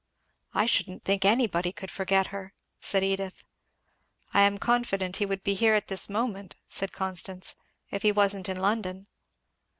"I shouldn't think anybody could forget her," said Edith. "I am confident he would be here at this moment," said Constance, "if he wasn't in London."